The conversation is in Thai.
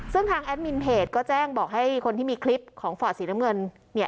ซึ่งทางแอดมินเพจก็แจ้งบอกให้คนที่มีคลิปของฟอร์ดสีน้ำเงิน